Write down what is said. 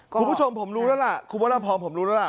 คุณผู้ชมผมรู้แล้วล่ะคุณพระราพรผมรู้แล้วล่ะ